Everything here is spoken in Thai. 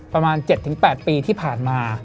ประมาณ๗๘ปีที่ผ่านมา